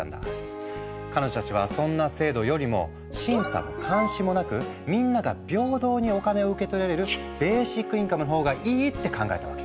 彼女たちはそんな制度よりも審査も監視もなくみんなが平等にお金を受け取れるベーシックインカムの方がいいって考えたわけ。